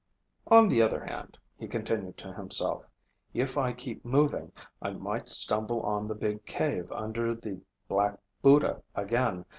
"On the other hand," he continued to himself, "if I keep moving, I might stumble on the big cave under the Black Buddha again.